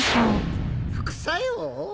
副作用？